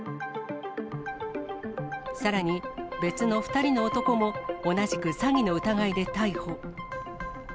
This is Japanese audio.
さらに、別の２人の男も同じく詐欺の疑いで逮捕。